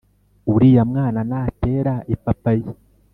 uriya mwana natera ipapayi